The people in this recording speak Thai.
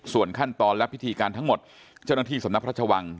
ส่วนขั้นตอนและพิธีการทั้งหมดเจ้าหน้าที่สำนักพระชวัง